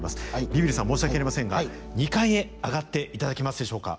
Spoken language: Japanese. ビビるさん申し訳ありませんが２階へ上がっていただけますでしょうか。